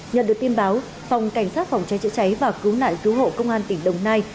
nhận được tin báo phòng cảnh sát phòng cháy chữa cháy và cứu nạn cứu hộ công an tỉnh đồng nai